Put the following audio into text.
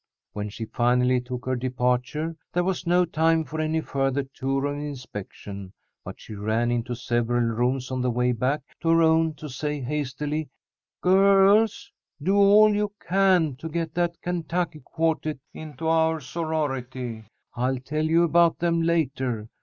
When she finally took her departure, there was no time for any further tour of inspection, but she ran into several rooms on the way back to her own to say, hastily: "Girls, do all you can to get that Kentucky quartette into our sorority! I'll tell you about them later.